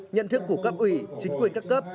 nhận thức của các ủy chính quyền các cấp